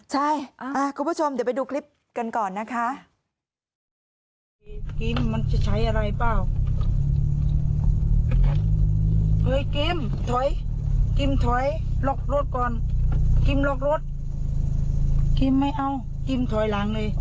ใช่คุณผู้ชมเดี๋ยวไปดูคลิปกันก่อนนะคะ